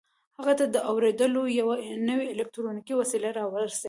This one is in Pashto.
هغه ته د اورېدلو یوه نوې الکټرونیکي وسیله را ورسېده